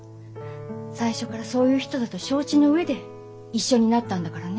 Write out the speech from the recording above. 最初からそういう人だと承知の上で一緒になったんだからね。